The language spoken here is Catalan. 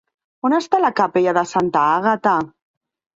On està la capella de Santa Àgata?